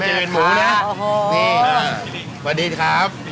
สวัสดีครับ